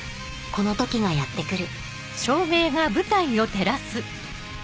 この時がやってくる